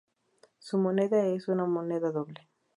Su moneda es una moneda doble.